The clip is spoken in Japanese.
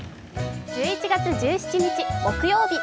１１月１７日木曜日。